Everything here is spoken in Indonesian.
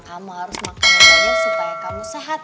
kamu harus makan aja supaya kamu sehat